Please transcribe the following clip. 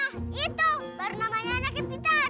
nah itu baru namanya anak impian